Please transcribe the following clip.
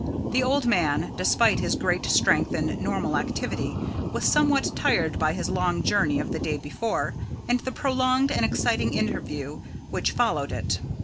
The old man, despite his great strength and normal activity, was somewhat tired by his long journey of the day before, and the prolonged and exciting interview which followed it.